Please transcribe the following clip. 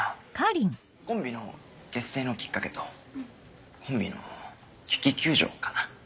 コンビの結成のきっかけとコンビの危機救助かな。